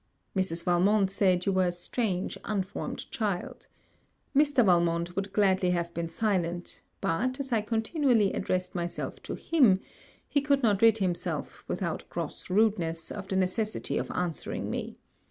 Mrs. Valmont said, you were a strange unformed child. Mr. Valmont would gladly have been silent; but, as I continually addressed myself to him, he could not rid himself, without gross rudeness, of the necessity of answering me.